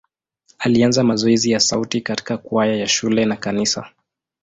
Alianza mazoezi ya sauti katika kwaya ya shule na kanisa.